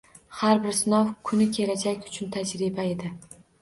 Har bir sinov kuni kelajak uchun tajriba edi